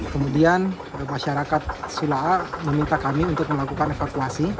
kemudian masyarakat silaak meminta kami untuk melakukan evakuasi